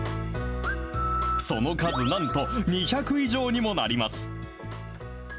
その数なんと２００以上にもなります。